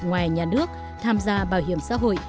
ngoài nhà nước tham gia bảo hiểm xã hội